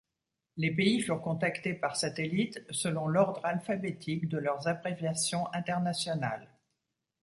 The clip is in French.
Les pays furent contactés par satellite, selon l'ordre alphabétique de leurs abréviations internationales.